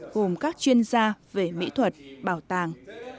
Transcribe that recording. gồm các chuyên gia về mỹ thuật bảo tàng